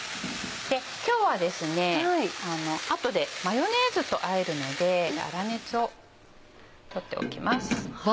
今日はですね後でマヨネーズとあえるので粗熱を取っておきます。